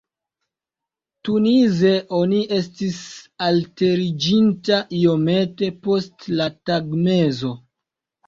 Tunize oni estis alteriĝinta iomete post la tagmezo.